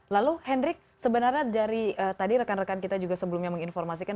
lalu hendrik sebenarnya dari tadi rekan rekan kita juga sebelumnya menginformasikan